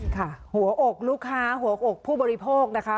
ค่ะหัวอกลูกค้าหัวอกผู้บริโภคนะคะ